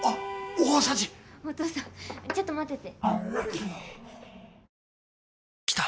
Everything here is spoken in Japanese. お父さんちょっと待ってて。